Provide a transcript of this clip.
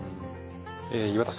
え岩田さん